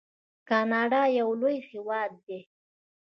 کاناډا یو لوی هیواد دی.